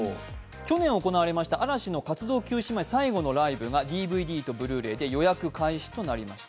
去年行われました嵐の活動休止前最後のライブがＤＶＤとブルーレイで予約開始となりまひた。